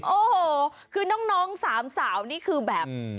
โอ้โหคือน้องสามสาวนี่คือแบบ